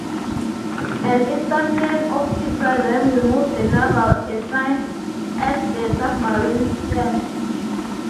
An Estonian officer then removed the naval ensign at the submarine's stern.